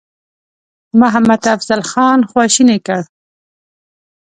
محمدافضل خان خواشینی کړ.